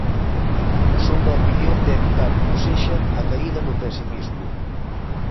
Son da opinión de evitar como sexa a caída no pesimismo.